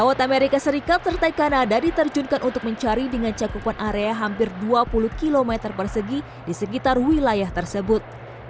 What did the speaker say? pesawat amerika serikat serta kanada diterjunkan untuk mencari dengan cakupan area hampir dua puluh km persegi di sekitar wilayah tersebut